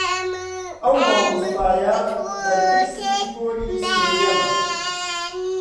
ئەو مامۆستایە بەرپرسی پۆلی سێیەمە.